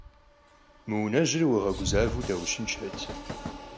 Мы унэжьыр уигъэгузавэу даущыншэт.